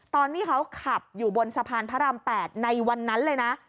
ตอนที่เขาขับอยู่บนสะพานพระราม๘ในวันนั้นเลยนะ